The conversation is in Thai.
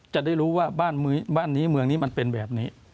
จะได้รู้ว่าบ้านนี้เมืองนี้มันเป็นแบบนี้